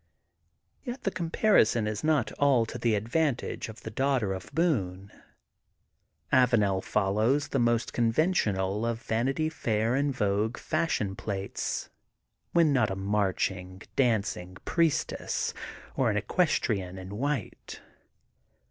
Yet the comparison is not all to the advantage of the daughter of Boone. Avanel follows the most conventional of Vanity Fair and Vogue fashion plates, when not a marching, dancing priestess or an eques trienne in white.